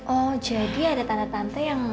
oh jadi ada tante tante yang